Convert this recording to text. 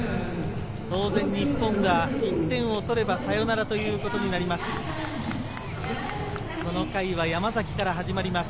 当然、日本が１点をとればサヨナラということになります。